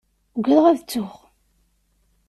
Ugadeɣ ad ttuɣ.